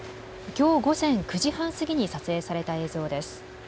きょう午前９時半過ぎに撮影された映像です。